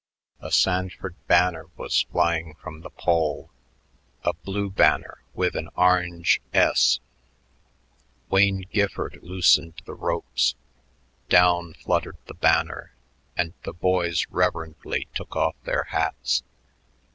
A Sanford banner was flying from the pole, a blue banner with an orange S. Wayne Gifford loosened the ropes. Down fluttered the banner, and the boys reverently took off their hats.